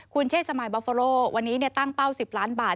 คุณเชษสมายบอฟเฟอโรวันนี้ตั้งเป้า๑๐ล้านบาท